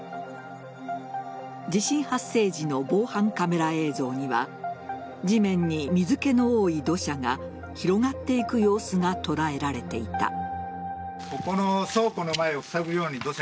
地震発生時の防犯カメラ映像には地面に、水気の多い土砂が広がっていく様子が捉えられていた。